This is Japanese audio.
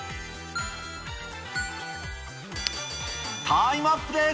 タイムアップです。